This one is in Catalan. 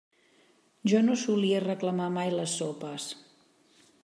Jo no solia reclamar mai les sopes.